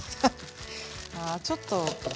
あちょっともう。